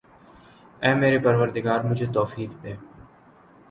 اے میرے پروردگا مجھے توفیق دے